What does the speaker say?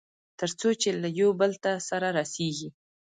تر څو چې يوبل ته سره رسېږي.